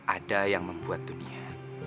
ada yang membuat dunia